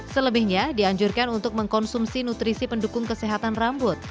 selebihnya dianjurkan untuk mengkonsumsi nutrisi pendukung kesehatan rambut